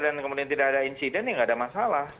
dan kemudian tidak ada insiden ya nggak ada masalah